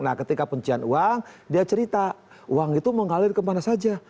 nah ketika pencucian uang dia cerita uang itu mengalir kemana saja